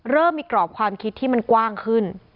เริ่มมีกรอบความคิดที่มันกว้างขึ้น